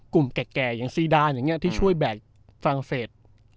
กลุ่มแก่อย่างซีด่านอย่างเงี้ยที่ช่วยแบกฟรานเฟรียด